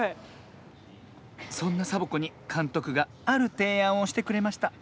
そんなサボ子にかんとくがあるていあんをしてくれました